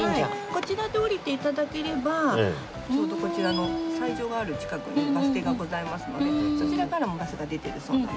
こちらで降りて頂ければちょうどこちらの斎場がある近くにバス停がございますのでそちらからもバスが出てるそうなので。